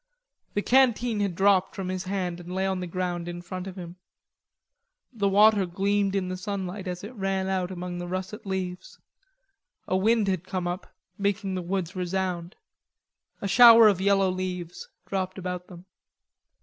The canteen had dropped from his hand and lay on the ground in front of him. The water gleamed in the sunlight as it ran out among the russet leaves. A wind had come up, making the woods resound. A shower of yellow leaves dropped about them.